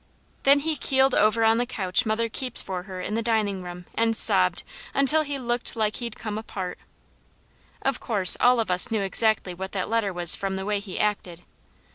Then he keeled over on the couch mother keeps for her in the dining room, and sobbed until he looked like he'd come apart. Of course all of us knew exactly what that letter was from the way he acted.